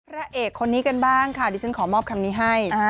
พระเอกคนนี้กันบ้างค่ะดิฉันขอมอบคำนี้ให้